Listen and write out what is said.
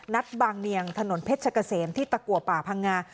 บางเนียงถนนเพชรเกษมที่ตะกัวป่าพังงา